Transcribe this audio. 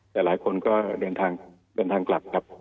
แต่หลายคนก็เดินทางกลับครับ